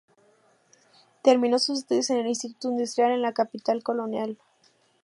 Terminó sus Estudios en el "Instituto Industrial" en la capital colonial.